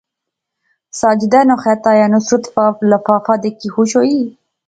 ساجدے ناں خط آیا، نصرت لفافہ دیکھی خوش ہوئی